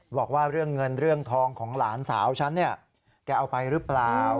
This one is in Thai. บอกว่าเรื่องเงินเรื่องทองของหลานสาวฉันเนี่ยแกเอาไปหรือเปล่า